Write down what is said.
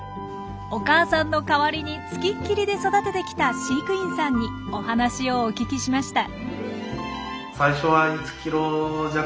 お母さんの代わりに付きっきりで育ててきた飼育員さんにお話をお聞きしました。